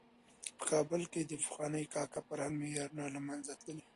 په کابل کې د پخواني کاکه فرهنګ معیارونه له منځه تللي.